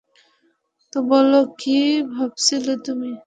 তো বলো, কী ভাবছিলে তুমি?